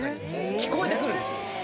聞こえてくるんですよ。